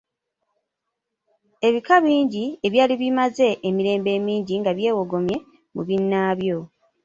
Ebika bingi ebyali bimaze emirembe emingi nga byewogomye mu binnaabyo.